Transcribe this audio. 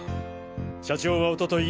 社長はおととい